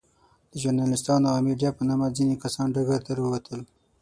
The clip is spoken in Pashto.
د ژورناليستانو او ميډيا په نامه ځينې کسان ډګر ته راووتل.